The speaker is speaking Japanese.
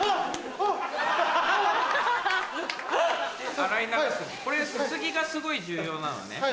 洗い流す時これすすぎがすごい重要なのね。